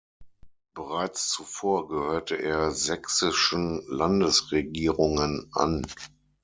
Bereits zuvor gehörte er sächsischen Landesregierungen an.